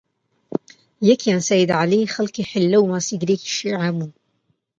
یەکیان سەیید عەلی، خەڵکی حیللە و ماسیگرێکی شیعە بوو